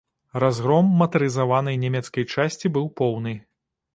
Разгром матарызаванай нямецкай часці быў поўны.